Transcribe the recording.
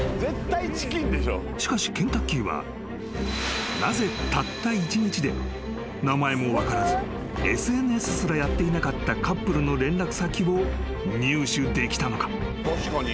［しかしケンタッキーはなぜたった一日で名前も分からずＳＮＳすらやっていなかったカップルの連絡先を入手できたのか？］